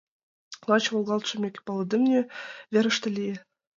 Лач волгалт шумеке, палемдыме верыште лие.